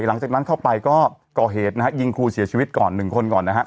หลังจากนั้นเข้าไปก็ก่อเหตุนะฮะยิงครูเสียชีวิตก่อนหนึ่งคนก่อนนะฮะ